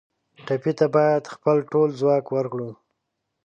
ټپي ته باید خپل ټول ځواک ورکړو.